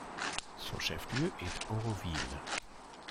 Son chef-lieu est Oroville.